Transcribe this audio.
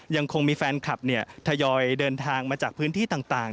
ยังคงมีแฟนคลับทยอยเดินทางมาจากพื้นที่ต่าง